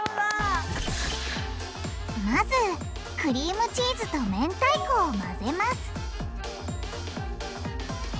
まずクリームチーズとめんたいこを混ぜます